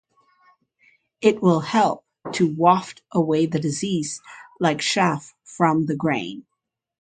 It will help to waft away the disease like chaff from the grain.